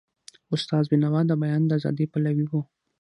استاد بینوا د بیان د ازادی پلوی و.